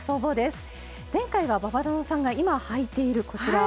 前回は馬場園さんが今はいているこちら。